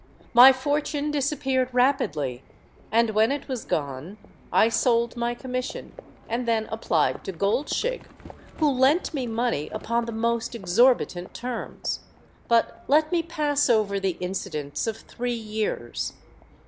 My fortune disappeared rapidly; and when it was gone, I sold my commission, and then applied to Goldshig, who lent me money upon the most exorbitant terms. But let me pass over the incidents of three years.